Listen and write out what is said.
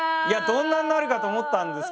どんなになるかと思ったんですけど。